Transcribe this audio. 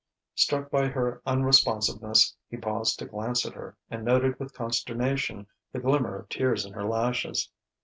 Struck by her unresponsiveness, he paused to glance at her, and noted with consternation the glimmer of tears in her lashes.